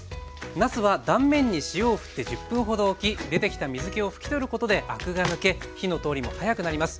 なすは断面に塩をふって１０分ほどおき出てきた水けを拭き取ることでアクが抜け火の通りも早くなります。